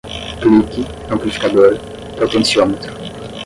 clique, amplificador, potenciômetro